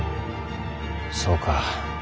そうか。